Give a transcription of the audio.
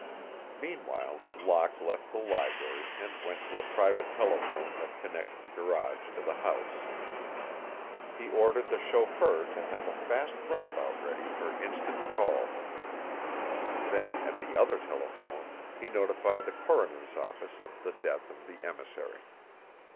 Meanwhile Locke left the library and went to a private telephone that connected the garage to the house. He ordered the chauffeur to have a fast runabout ready for instant call. Then, at the other telephone, he notified the coroner's office of the death of the emissary.